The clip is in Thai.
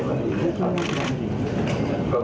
สวัสดีครับ